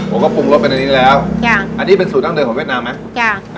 ปรุงรสเป็นอันนี้แล้วจ้ะอันนี้เป็นสูตรดั้งเดิมของเวียดนามไหมจ้ะ